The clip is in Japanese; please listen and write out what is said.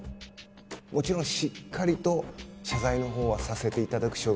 もちろんしっかりと謝罪の方はさせていただく所存です。